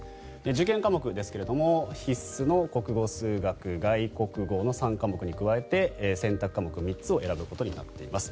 受験科目ですが必須の国語、数学、外国語の３科目に加えて選択科目３つを選ぶことになっています。